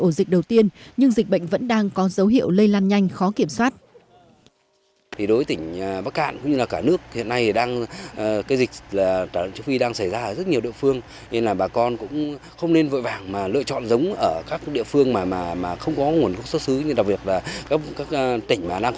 ổ dịch đầu tiên nhưng dịch bệnh vẫn đang có dấu hiệu lây lan nhanh khó kiểm soát